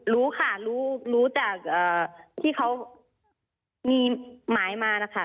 รู้ค่ะรู้จากที่เขามีหมายมานะคะ